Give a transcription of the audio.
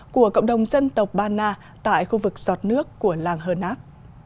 của cộng đồng dân tộc ba na tại khu vực giọt nước của làng hờ náp